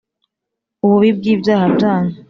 ububi bw’ibyaha byanyu,